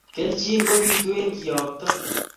Keljin kobitu eng kiyokte